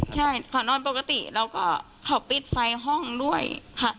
ใช่เขานอนปกติแล้วก็เขาปิดไฟห้องด้วยค่ะ